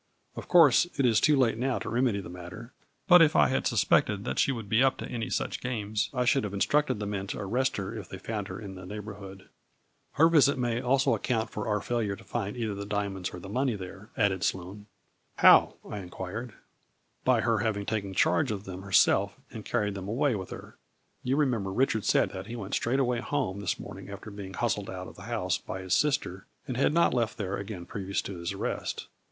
Of course, it is too late now to remedy the matter, but if I had suspected that she would be up to any such games, I should have instructed the men to ar rest her if they found her in the neighborhood. Her visit may also account for our failure to find either the diamonds or money there," added Sloane. " How ?" I inquired* A FLURRY IN DIAMONDS. 87 " By her having taken charge of them herself and carried them away with her. You remem ber Richard said that he went straight away home this morning after being hustled out of the house by his sister, and had not left there again previous to his arrest.